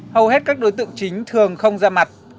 hầu hết các đối tượng chính thường không ra mặt